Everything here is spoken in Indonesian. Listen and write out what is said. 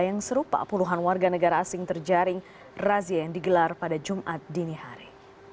yang serupa puluhan warga negara asing terjaring razia yang digelar pada jumat dini hari